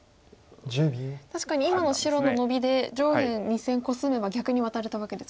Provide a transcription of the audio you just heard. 確かに今の白のノビで上辺２線コスめば逆にワタれたわけですもんね。